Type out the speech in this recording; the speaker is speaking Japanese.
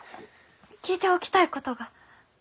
聞いておきたいことが。